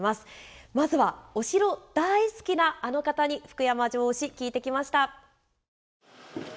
まずはお城大好きなあの方に福山城推し聞いてきました。